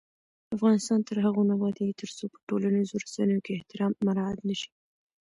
افغانستان تر هغو نه ابادیږي، ترڅو په ټولنیزو رسنیو کې احترام مراعت نشي.